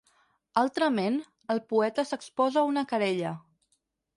Altrament, el poeta s'exposa a una querella.